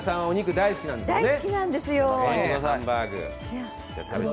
お肉、大好きなんですよ。